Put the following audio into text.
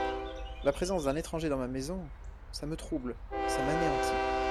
La présence d’un étranger dans ma maison… ça me trouble… ça m’anéantit…